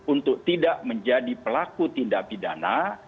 untuk tidak menjadi pelaku tindak pidana